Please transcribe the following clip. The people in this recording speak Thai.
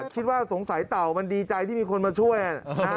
คิดว่าสงสัยเต่ามันดีใจที่มีคนมาช่วย